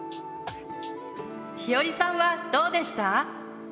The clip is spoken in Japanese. ひよりさんはどうでした？